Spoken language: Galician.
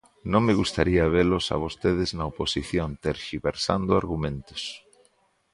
Non me gustaría velos a vostedes na oposición terxiversando argumentos.